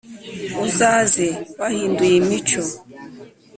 Uzaze wahinduye imico